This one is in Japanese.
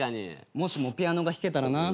もしもピアノが弾けたらな。